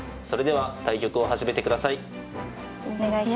それでは対局を始めてください。